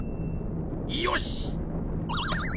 よし！